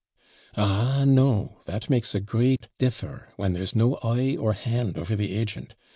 'Ah, no I that makes a great DIFFER, when there's no eye or hand over the agent.